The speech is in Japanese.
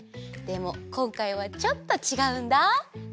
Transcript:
でもこんかいはちょっとちがうんだ！